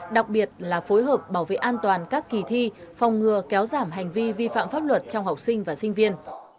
đặc biệt là phối hợp bảo vệ an toàn các kỳ thi phòng ngừa kéo giảm hành vi vi phạm pháp luật trong học sinh và sinh viên